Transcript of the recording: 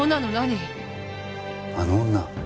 あの女？